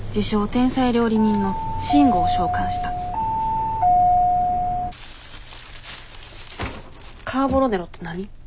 天才料理人の慎吾を召喚したカーボロネロって何？